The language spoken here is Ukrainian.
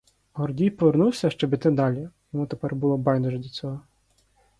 Гордій повернувся, щоб іти далі — йому тепер було байдуже до цього.